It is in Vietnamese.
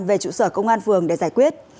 về trụ sở công an phường để giải quyết